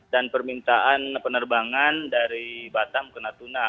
dan permintaan penerbangan dari batam ke natuna